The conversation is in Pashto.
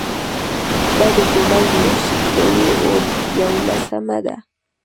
دا د جولای میاشتې یوولسمه ده.